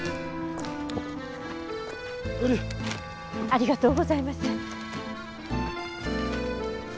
ありがとうございます。